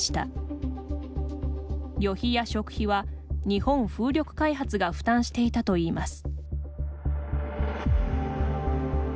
旅費や食費は、日本風力開発が負担していたといいます。